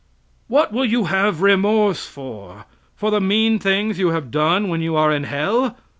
What will you have remorse for? For the mean things you have done when you are in hell?